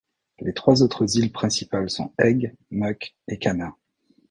Les trois autres îles principales sont Eigg, Muck et Canna.